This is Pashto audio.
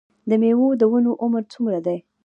د میوو د ونو عمر څومره دی؟